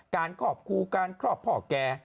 ครอบครูการครอบพ่อแก